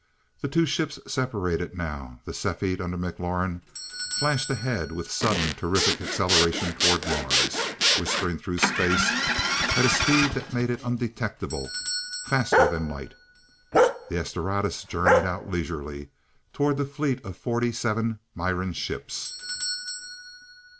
The two ships separated now, the "Cepheid" under McLaurin flashing ahead with sudden, terrific acceleration toward Mars, whispering through space at a speed that made it undetectable, faster than light. The "S Doradus" journeyed out leisurely toward the fleet of forty seven Miran ships.